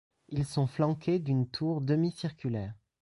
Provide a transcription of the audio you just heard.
Ils sont flanqués d'une tour demi-circulaire.